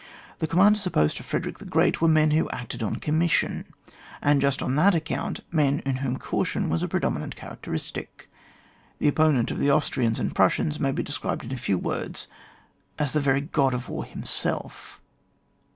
The com manders opposed to Frederick the Great were men who acted on commission, and just on that account men in whom caution was a predominant characteristic; the opponent of the Austrians and Prussians may be described in a few words as the very god of war himself.